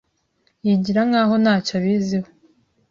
Yigira nkaho ntacyo abiziho.